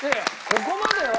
ここまでは。